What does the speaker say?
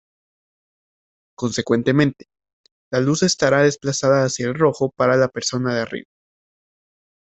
Consecuentemente, la luz estará desplazada hacia el rojo para la persona de arriba.